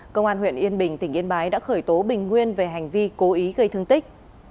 công an huyện yên bình tỉnh yên bái đã khởi tố bình nguyên về hành vi cố ý gây thương tích